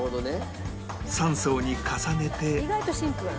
３層に重ねて